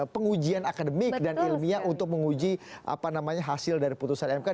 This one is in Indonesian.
pengujian akademik dan ilmiah untuk menguji hasil dari putusan mk